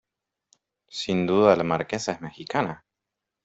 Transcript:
¿ sin duda la Marquesa es mexicana?